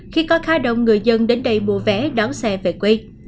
khi có khá đông người dân đến đây mua vé đón xe về quê